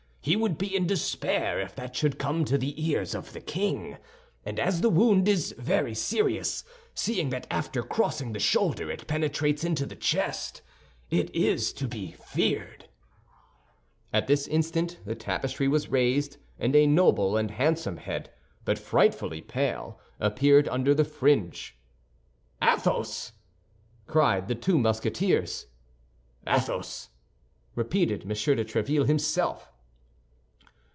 He would be in despair if that should come to the ears of the king; and as the wound is very serious, seeing that after crossing the shoulder it penetrates into the chest, it is to be feared—" At this instant the tapestry was raised and a noble and handsome head, but frightfully pale, appeared under the fringe. "Athos!" cried the two Musketeers. "Athos!" repeated M. de Tréville himself.